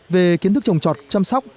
về kiến thức trồng trọt chăm sóc